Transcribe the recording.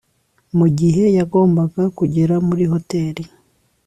mugihe yagombaga kugera muri hoteri